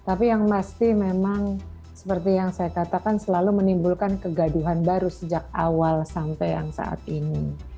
tapi yang pasti memang seperti yang saya katakan selalu menimbulkan kegaduhan baru sejak awal sampai yang saat ini